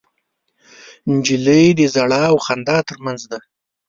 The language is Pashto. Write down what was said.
نجلۍ د ژړا او خندا تر منځ ده.